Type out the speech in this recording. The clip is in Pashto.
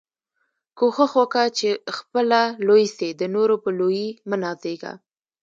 کوښښ وکه، چي خپله لوى سې، د نورو په لويي مه نازېږه!